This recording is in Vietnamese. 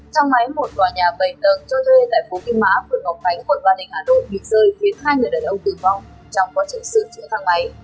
trong máy một tòa nhà bảy tầng cho thuê tại phố kim mã phường ngọc khánh quận văn đình hà nội bị rơi khiến hai người đàn ông tử vong trong quá trình sự trị thăng máy